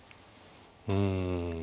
うん。